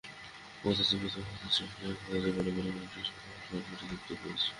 পদার্থবিদ মহামতি জাকারিয়া কাগজে বড় বড় করে লিখলেন, কফি পান করে তৃপ্তি পেয়েছি।